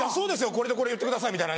「これとこれ言ってください」みたいなね。